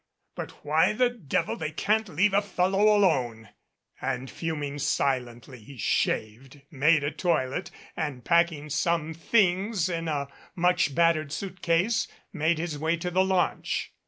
But why the devil they can't leave a fellow alone " and, fuming silently, he shaved, made a toilet, and packing some things in a much battered suit case made his way to the launch.